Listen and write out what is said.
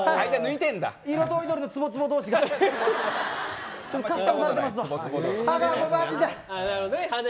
色とりどりのツボツボ同士がカスタムされてますよ。